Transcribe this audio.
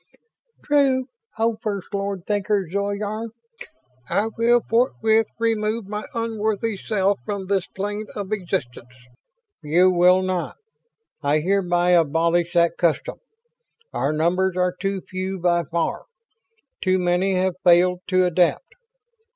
"True, oh First Lord Thinker Zoyar. I will forthwith remove my unworthy self from this plane of existence." "You will not! I hereby abolish that custom. Our numbers are too few by far. Too many have failed to adapt.